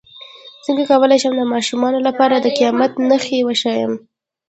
څنګه کولی شم د ماشومانو لپاره د قیامت نښې وښایم